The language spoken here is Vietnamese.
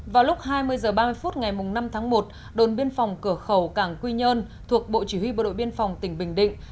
vào lúc hai mươi h ba mươi phút ngày năm tháng một đồn biên phòng cửa khẩu cảng quy nhơn thuộc bộ chỉ huy bộ đội biên phòng tỉnh bình định